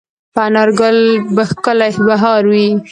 په انارګل به ښکلی بهار وي